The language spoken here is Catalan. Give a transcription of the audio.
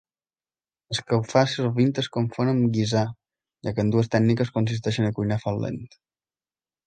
Escalfar sovint es confon amb guisar, ja que ambdues tècniques consisteixen a cuinar a foc lent.